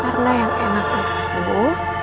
karena yang enak itu